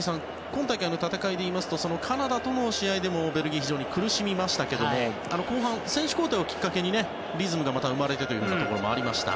今大会の戦いで言いますとカナダとの試合でもベルギーは非常に苦しみましたけども後半、選手交代をきっかけにリズムがまた生まれてというところもありました。